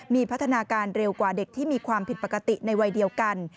มีพัฒนาการเร็วกว่าเด็กที่มีความผิดปกติในวัยเดียวกัน